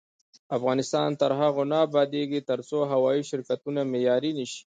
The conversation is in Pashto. افغانستان تر هغو نه ابادیږي، ترڅو هوايي شرکتونه معیاري نشي.